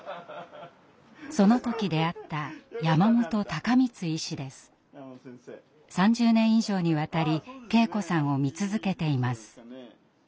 その時出会った３０年以上にわたり圭子さんを見続けています。